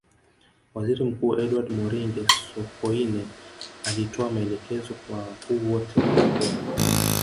Waziri Mkuu Edward Moringe Sokoine alitoa maelekezo kwa wakuu wote wa mikoa